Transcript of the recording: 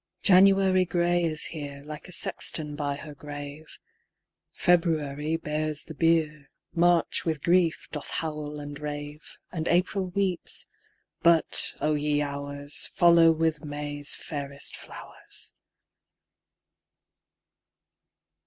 4. January gray is here, Like a sexton by her grave; _20 February bears the bier, March with grief doth howl and rave, And April weeps but, O ye Hours! Follow with May's fairest flowers.